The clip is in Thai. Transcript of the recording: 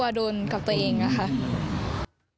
ก็กลัวโดนกับตัวเองนะครับ